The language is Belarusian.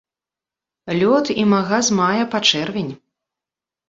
Лёт імага з мая па чэрвень.